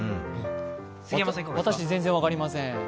私、全然分かりません。